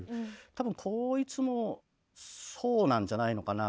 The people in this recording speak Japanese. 多分こいつもそうなんじゃないのかな。